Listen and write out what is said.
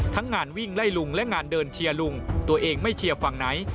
ทั้งงานวิ่งไล่ลุงและงานเดินเชียร์ลุงตัวเองไม่เชียร์ฝั่งไหน